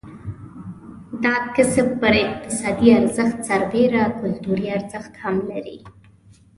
دا کسب پر اقتصادي ارزښت سربېره کلتوري ارزښت هم لري.